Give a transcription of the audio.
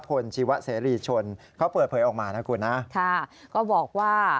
ค่ะจะ